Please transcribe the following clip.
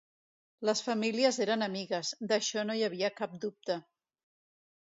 Les famílies eren amigues, d'això no hi havia cap dubte.